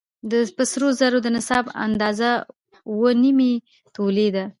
په سرو زرو کې د نصاب اندازه اووه نيمې تولې ده